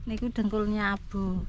ini dengkulnya abu